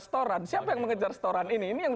restoran siapa yang mengejar setoran ini ini yang